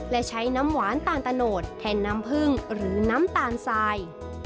และใช้น้ำหวานตาลตะโนดแทนน้ำผึ้งหรือน้ำตาลทราย